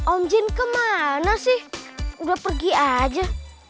om jin kemana sih udah pergi aja